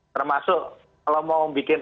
termasuk kalau mau bikin